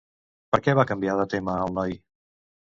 Per què va canviar de tema el noi?